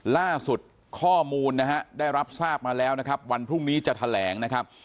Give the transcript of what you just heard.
ล่าสุดข้อมูลนะฮะได้รับทราบมาแล้วนะครับวันพรุ่งนี้จะแถลงนะครับ